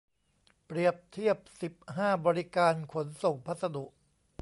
เปรียบเทียบ สิบห้า บริการขนส่งพัสดุ